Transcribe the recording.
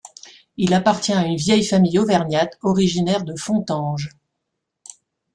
Il appartient à une vieille famille auvergnate, originaire de Fontanges.